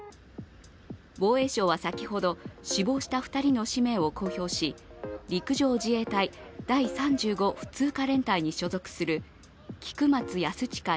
防衛省は先ほど死亡した２人の氏名を公表し陸上自衛隊第３５普通科連隊に所属する菊松安親さん